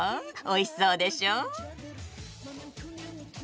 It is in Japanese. おいしそうでしょ。